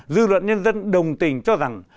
dư luận nhân dân đồng tình cho rằng